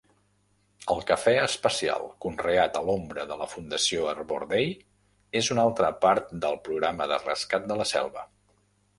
El cafè especial conreat a l'ombra de la fundació Arbor Day és una altra part del programa de rescat de la selva.